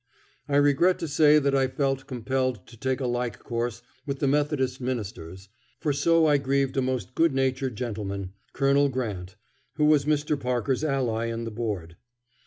I regret to say that I felt compelled to take a like course with the Methodist ministers, for so I grieved a most good natured gentleman, Colonel Grant, who was Mr. Parker's ally in the Board.